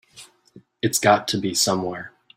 It's got to be somewhere.